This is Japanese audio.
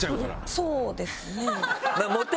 そうですね。